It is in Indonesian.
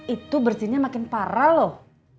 itu bersihnya makin parah loh